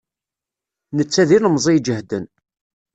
Netta d ilemẓi ijehden.